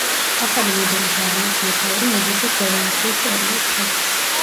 ახალი მოდელის არმიის მეთაური ინგლისის რევოლუციის პერიოდში.